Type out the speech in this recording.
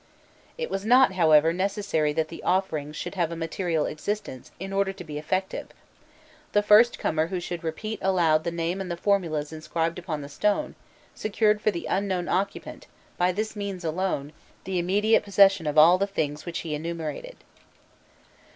It was not, however, necessary that the offering should have a material existence, in order to be effective; the first comer who should repeat aloud the name and the formulas inscribed upon the stone, secured for the unknown occupant, by this means alone, the immediate possession of all the things which he enumerated.